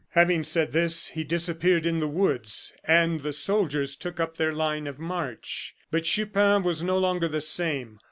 Having said this, he disappeared in the woods, and the soldiers took up their line of march. But Chupin was no longer the same.